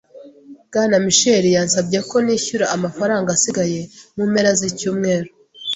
Bwana Mitchel yansabye ko nishyura amafaranga asigaye mu mpera z'icyumweru.